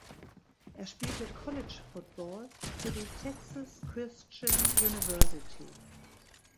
Er spielte College Football für die Texas Christian University.